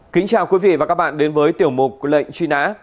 kính chào quý vị và các bạn đến với tiểu mục lệnh truy nã